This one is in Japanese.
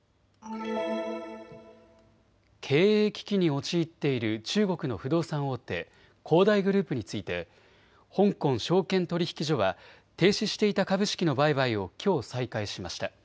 経営危機に陥っている中国の不動産大手、恒大グループについて香港証券取引所は停止していた株式の売買をきょう再開しました。